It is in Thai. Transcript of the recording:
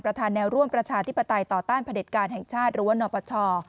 แนวร่วมประชาธิปไตยต่อต้านผลิตการแห่งชาติหรือว่านปช